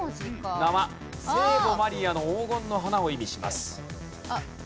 名は聖母マリアの黄金の花を意味します。